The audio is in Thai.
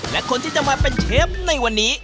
และคนที่จะมาเป็นเชฟในวันนี้